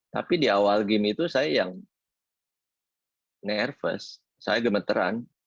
tapi di awal game itu saya yang nervous saya gemeteran